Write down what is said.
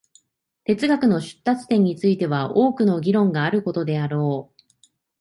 哲学の出立点については多くの議論があることであろう。